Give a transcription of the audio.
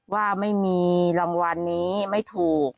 ว่าไม่มีรางวัลนี้ไม่ถูก